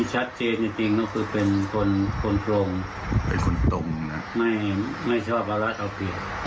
หนึ่งคือเป็นคนคนตรงเป็นคนตรงนะไม่ไม่ชอบอาลักษณะเอาเผต